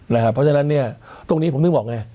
เพราะฉะนั้นเนี่ยตรงนี้ผมต้องบอกไง